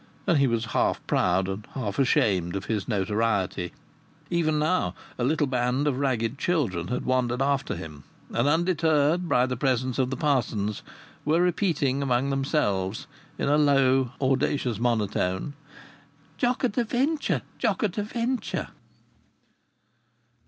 And he was half proud and half ashamed of his notoriety. Even now a little band of ragged children had wandered after him, and, undeterred by the presence of the parsons, were repeating among themselves, in a low audacious monotone: "Jock at a Venture! Jock at a Venture!"